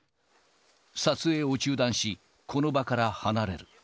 撮影を中断し、この場から離れる。